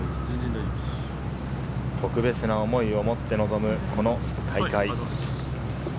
特別な思いを持って臨むこの大会。